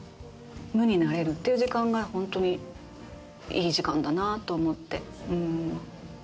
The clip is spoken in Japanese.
無になれるっていう時間がホントにいい時間だなと思って。